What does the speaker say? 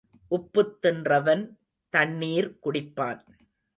உப்புத் தின்றவன் தண்ணீர் குடிப்பான்.